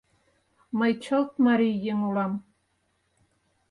Мый чылт марий еҥ улам.